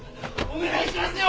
お願いしますよ！